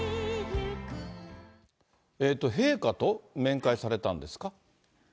陛下と面会されたんですか？